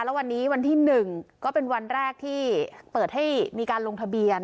แล้ววันนี้วันที่๑ก็เป็นวันแรกที่เปิดให้มีการลงทะเบียน